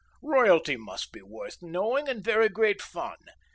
Royalty must be worth knowing and very great fun.